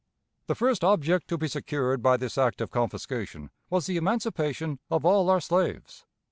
The first object to be secured by this act of confiscation was the emancipation of all our slaves.